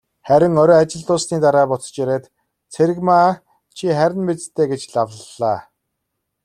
Харин орой ажил дууссаны дараа буцаж ирээд, "Цэрэгмаа чи харина биз дээ" гэж лавлалаа.